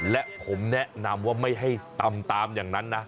และผมแนะนำว่าไม่ให้ตำตามอย่างนั้นนะ